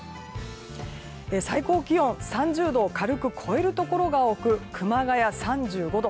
最高気温、３０度を軽く超えるところが多く熊谷、３５度。